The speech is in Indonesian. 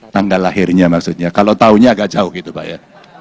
tanggal lahirnya maksudnya kalau tahunya agak jauh gitu pak ya